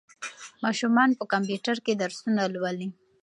ماشومان په کمپیوټر کې درسونه لولي.